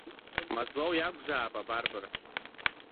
Мазлоу иакәзаап абарбар!